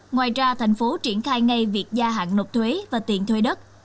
ngoài ra thành phố triển khai ngay việc gia hạn nộp thuế và tiền thuê đất